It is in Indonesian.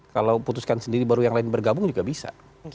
kalau putuskan sendiri baru yang lain bergabung juga bisa